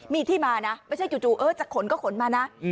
มีที่มานะไม่ใช่จู่จะขนก็ขนมานะ